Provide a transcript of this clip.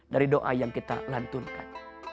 dari doa yang kita lantunkan